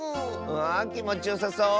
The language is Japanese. わあきもちよさそう。